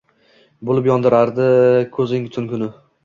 Bo’lib yondirardi ko’zing tun-kuni